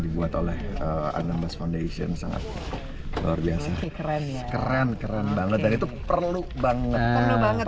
dibuat oleh anambas foundation sangat luar biasa keren keren keren banget dan itu perlu banget